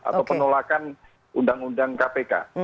atau penolakan undang undang kpk